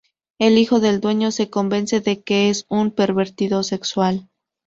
El hijo del dueño se convence de que es un pervertido sexual.